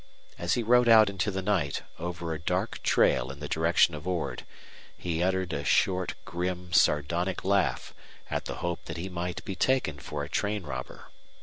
As he rode out into the night, over a dark trail in the direction of Ord, he uttered a short, grim, sardonic laugh at the hope that he might be taken for a train robber.